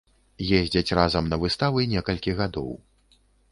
Ездзяць разам на выставы некалькі гадоў.